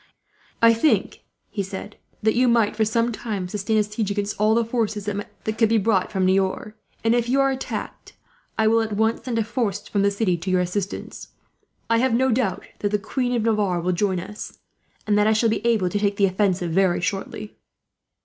"I think," he said, "that you might, for some time, sustain a siege against all the forces that could be brought from Niort; and if you are attacked I will, at once, send a force from the city to your assistance. I have no doubt that the Queen of Navarre will join us, and that I shall be able to take the offensive, very shortly."